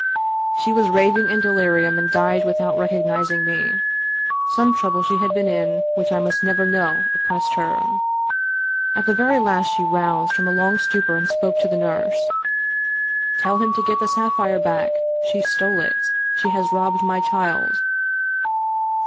She was raving in delirium, and died without recognizing me. Some trouble she had been in which I must never know oppressed her. At the very last she roused from a long stupor and spoke to the nurse. 'Tell him to get the sapphire back — ^she stole it. She has robbed my child.'